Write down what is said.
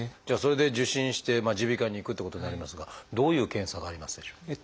じゃあそれで受診して耳鼻科に行くってことになりますがどういう検査がありますでしょう？